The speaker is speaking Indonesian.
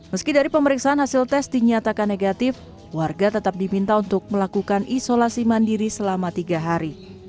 meski dari pemeriksaan hasil tes dinyatakan negatif warga tetap diminta untuk melakukan isolasi mandiri selama tiga hari